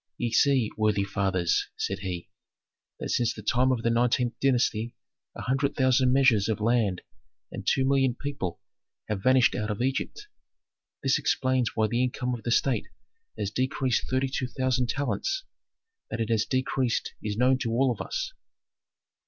"Ye see, worthy fathers," said he, "that since the time of the nineteenth dynasty a hundred thousand measures of land and two million people have vanished out of Egypt. This explains why the income of the state has decreased thirty two thousand talents; that it has decreased is known to all of us.